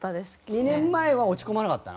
２年前は落ち込まなかったの？